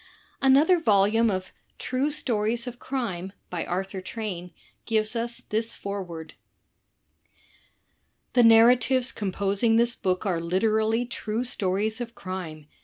Another volume of "True Stories of Crime," by Arthur Train, gives us this foreword: "The narratives composing this book are literally true stories of crime.